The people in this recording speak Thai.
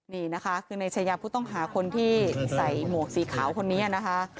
นี่นะคะคือในชายาผู้ต้องหาคนที่ใส่หมวกสีขาวคนนี้นะคะ